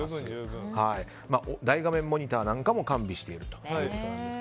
大画面モニターなんかも完備しているということです。